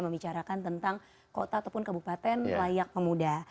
membicarakan tentang kota ataupun kabupaten layak pemuda